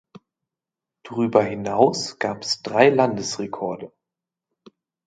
Drüber hinaus gab es drei Landesrekorde.